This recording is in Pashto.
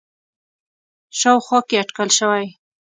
ه شاوخوا کې اټکل شوی دی